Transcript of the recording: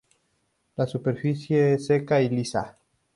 La superficie es seca y lisa.